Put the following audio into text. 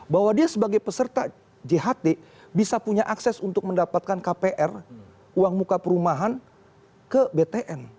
bahwa dia sebagai peserta jht bisa punya akses untuk mendapatkan kpr uang muka perumahan ke btn